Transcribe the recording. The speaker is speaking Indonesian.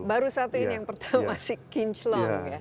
baru satu ini yang pertama masih kinclong ya